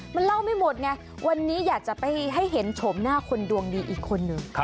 มันเล่าไม่หมดไงวันนี้อยากจะไปให้เห็นโฉมหน้าคนดวงดีอีกคนนึง